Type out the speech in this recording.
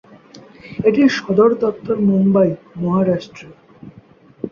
এটির সদর দফতর মুম্বই, মহারাষ্ট্রে।